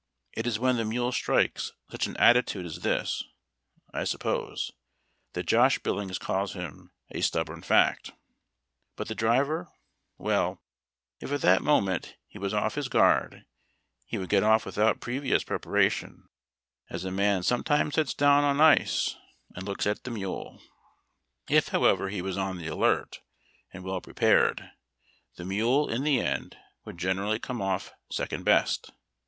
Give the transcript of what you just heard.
It is when the mule strikes such an atti tude as this, I suppose, that Josh Billings calls him " a stub born fact." But the driver ! Well, if at that moment he was off Ills guard, he would get off without previous prep aration, as a man sometimes sits down on ice, and look at 284 HARD TACK AND COFFEE. the mule. If, however, he was on the alert, and well pre pared, the mule, in the end, would generally come off second best.